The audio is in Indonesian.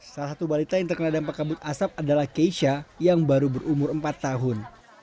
salah satu balita yang terkena dampak kabut asap adalah keisha yang baru berumur empat tahun